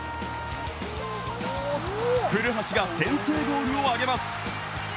古橋が先制ゴールをあげます。